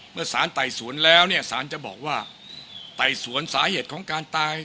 เมื่อสารไต่สวนแล้วเนี่ยสารจะบอกว่าไต่สวนสาเหตุของการตาย